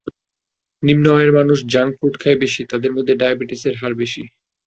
নিম্ন আয়ের মানুষ জাঙ্কফুড খায় বেশি, তাদের মধ্যে ডায়াবেটিসের হার বেশি।